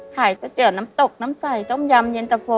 ก๋วยเตี๋ยวน้ำตกน้ำใสต้มยำเย็นตะโฟ